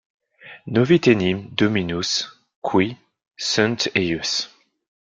Novit enim Dominus qui sunt eius.